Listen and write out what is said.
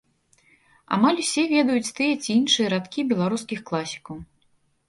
Амаль усе ведаюць тыя ці іншыя радкі беларускіх класікаў.